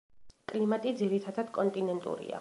კლიმატი ძირითადად კონტინენტურია.